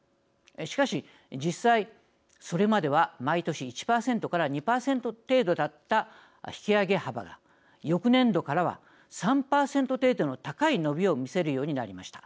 しかし、実際、それまでは毎年１％から２％程度だった引き上げ幅が翌年度からは３％程度の高い伸びを見せるようになりました。